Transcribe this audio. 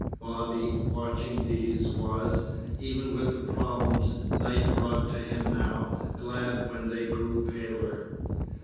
Bobby, watching these, was, even with the problems night brought to him now, glad when they grew paler.